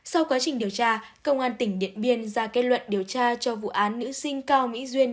sau quá trình điều tra công an tỉnh điện biên ra kết luận điều tra cho vụ án nữ sinh cao mỹ duyên